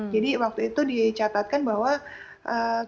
jadi waktu itu dicatatkan bahwa korban jiwanya lebih tinggi